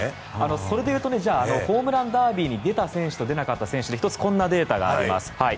それでいうとホームランダービーに出た選手と出なかった選手で１つ、こんなデータがあります。